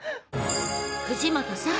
［藤本さん。